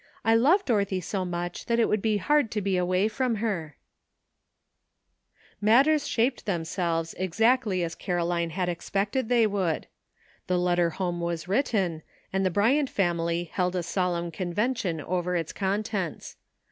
I love Dorothy so much that it would be hard to be away from her." 3S2 ANOTHER ''SIDE TRACK:' Matters shaped themselves exactly as Caro line had expected they would. The letter home was written, and the Bryant family held a solemn convention over its contents.